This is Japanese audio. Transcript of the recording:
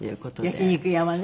焼き肉屋はね。